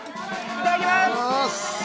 いただきます！